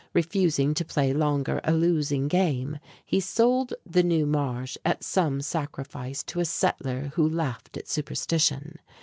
Refusing to play longer a losing game, he sold the "New Marsh" at some sacrifice to a settler who laughed at superstition.